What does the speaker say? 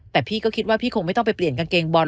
แต่พี่ก็คิดว่าพี่คงไม่ต้องไปเปลี่ยนกางเกงบอล